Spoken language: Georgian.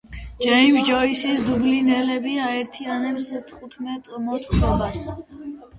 ჯეიმზ ჯოისის დუბლინელები აერთიანებს თხუთმეტ მოთხრობას.